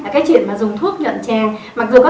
cái chuyện mà dùng thuốc nhuận tràng